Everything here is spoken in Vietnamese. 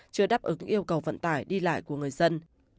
chưa đáp ứng yêu cầu vận tải đi lại của người dân